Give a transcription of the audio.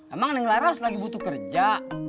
emang denger laras lagi butuh kerja